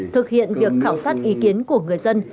thực hiện việc khảo sát ý kiến của người dân